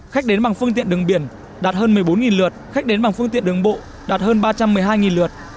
khách đến bằng phương tiện đường biển đạt hơn một mươi bốn lượt khách đến bằng phương tiện đường bộ đạt hơn ba trăm một mươi hai lượt